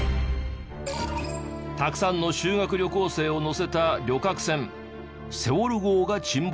たくさんの修学旅行生を乗せた旅客船セウォル号が沈没。